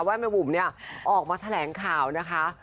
แม่บุ๋มเนี่ยออกมาแถลงข่าวนะคะ